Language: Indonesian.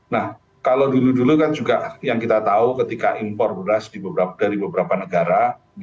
nah kalau dulu dulu kan juga yang kita tahu ketika impor beras dari beberapa negara